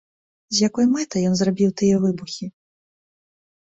З якой мэтай ён зрабіў тыя выбухі?